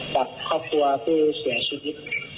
กับครอบครัวผู้เสียชีวิต